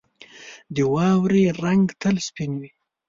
• د واورې رنګ تل سپین وي.